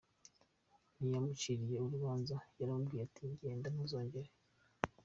Ntiyamuciriye urubanza yaramubwiye ati genda ntuzongere.